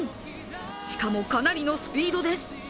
しかも、かなりのスピードです。